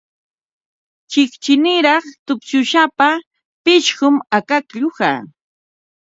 Chiqchiniraq tupshusapa pishqum akaklluqa.